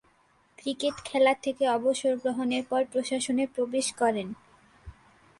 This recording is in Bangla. ক্রিকেট খেলা থেকে অবসর গ্রহণের পর প্রশাসনে প্রবেশ করেন।